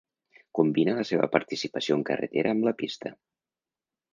Combina la seva participació en carretera amb la pista.